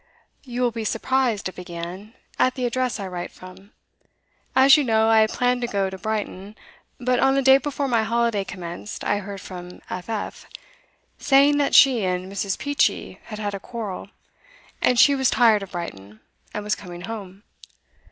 'You will be surprised,' it began, 'at the address I write from. As you know, I had planned to go to Brighton; but on the day before my holiday commenced I heard from F. F., saying that she and Mrs. Peachey had had a quarrel, and she was tired of Brighton, and was coming home.